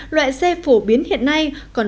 loại xe phổ biến hiện nay